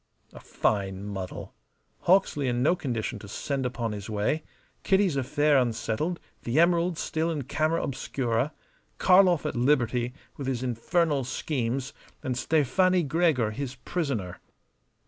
A fine muddle! Hawksley in no condition to send upon his way; Kitty's affair unsettled; the emeralds still in camera obscura; Karlov at liberty with his infernal schemes, and Stefani Gregor his prisoner.